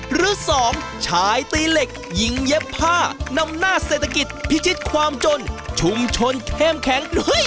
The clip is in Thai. หรือ๒ชายตีเหล็กหญิงเย็บผ้านำหน้าเศรษฐกิจพิชิตความจนชุมชนเข้มแข็ง